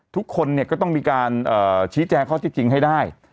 ทุกคนก็ต้องมีการชี้แจงข้อที่จริงให้ได้